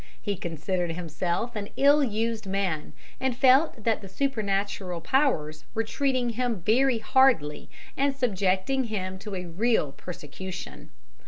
He considered himself an ill used man, and felt that the supernatural powers were treating him very hardly, and subjecting him to a real persecution.